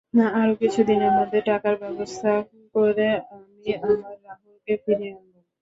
আর কিছু দিনের মধ্যে টাকার ব্যবস্থা করে আমি আমার রাহুলকে ফিরিয়ে আনবো।